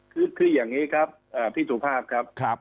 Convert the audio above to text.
คืออย่างนี้ครับพี่สุภาพครับ